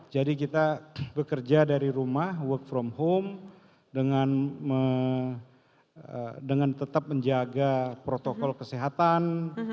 jadi kita bekerja dari rumah work from home dengan tetap menjaga protokol kesehatan